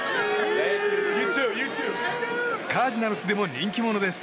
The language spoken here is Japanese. カージナルスでも人気者です。